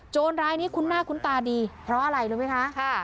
รายนี้คุ้นหน้าคุ้นตาดีเพราะอะไรรู้ไหมคะ